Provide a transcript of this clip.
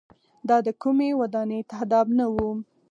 دا د کومۍ ودانۍ تهداب نه و.